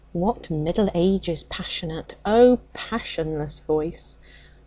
What Middle Ages passionate,O passionless voice!